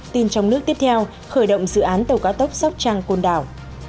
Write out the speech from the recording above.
tin trong nước tiếp theo khởi động dự án tàu cá tốc sóc trang côn đảo